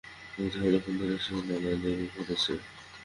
বোধহয় অনেকক্ষণ ধরেই সে নানান জায়গায় ঘুরছে।